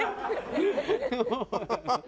ハハハハ！